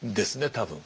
多分。